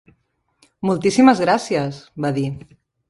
"Moltíssimes gràcies", va dir.